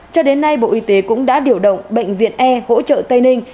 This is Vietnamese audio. cho đến nay bộ y tế cũng đã điều động bệnh viện e hỗ trợ tây ninh